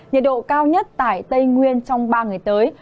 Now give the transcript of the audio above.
nhiệt độ cao nhất tại tây nguyên trong ba ngày tới